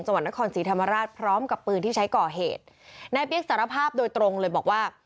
จังหวัดนครศรีธรรมราชพร้อมกับปืนที่ใช้ก่อเหตุนายเปี๊ยกสารภาพโดยตรงเลยบอกว่า